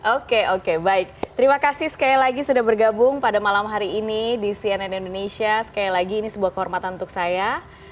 oke oke baik terima kasih sekali lagi sudah bergabung pada malam hari ini di cnn indonesia sekali lagi ini sebuah kehormatan untuk saya